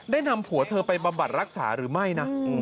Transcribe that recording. นำผัวเธอไปบำบัดรักษาหรือไม่นะ